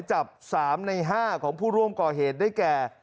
จับ๓ใน๕ของผู้ร่วมก่อเหตุได้แก่